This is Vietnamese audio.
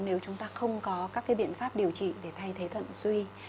nếu chúng ta không có các biện pháp điều trị để thay thế thuận suy